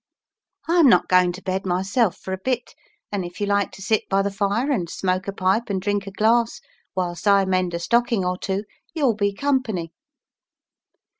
"I'm not going to bed myself for a bit, and if you like to sit by the fire and smoke a pipe and drink a glass whilst I mend a stocking or two, you'll be company."